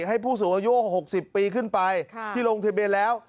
ให้ผู้สูงอายุ๖๐ปีขึ้นไปที่ลงทะเบียนแล้ว